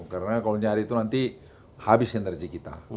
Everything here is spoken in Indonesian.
karena kalau nyari itu nanti habis sinergi kita